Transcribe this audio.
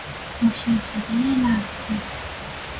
مشاجره لفظی